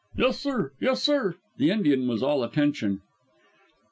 "Yes, sir, yes, sir!" The Indian was all attention.